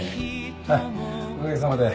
はいおかげさまで。